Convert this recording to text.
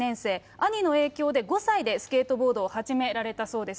兄の影響で、５歳でスケートボードを始められたそうです。